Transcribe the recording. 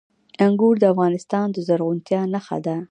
انګور د افغانستان د زرغونتیا نښه ده.